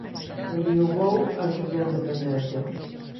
Enviuvou antes da independencia.